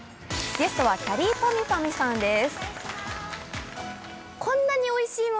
ゲストはきゃりーぱみゅぱみゅさんです。